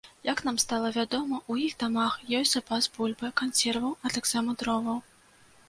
Як нам стала вядома, у іх дамах ёсць запас бульбы, кансерваў, а таксама дроваў.